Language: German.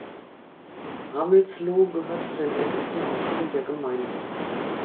Ramelsloh gehört zu den ältesten Orten der Gemeinde.